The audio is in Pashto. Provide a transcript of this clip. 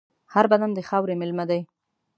هر بدن د خاورې مېلمه دی.